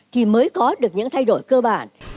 thì mới có được những thay đổi cơ bản